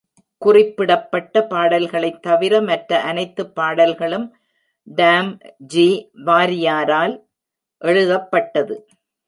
குறிப்பிடப்பட்ட பாடல்களைத் தவிர மற்ற அனைத்து பாடல்களும் டாம் ஜி. வாரியரால் எழுதியப்பட்டது.